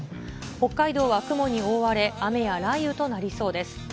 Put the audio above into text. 北海道は雲に覆われ、雨や雷雨となりそうです。